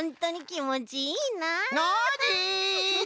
ノージー！